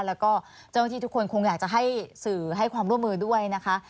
แล้วก็เจ้าหน้าที่ทุกคนคงอยากจะให้สื่อให้ความร่วมมือด้วยนะคะ